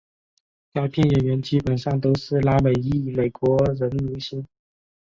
该片演员基本上都是拉美裔美国人明星。